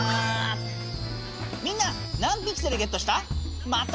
みんな何ピクセルゲットした？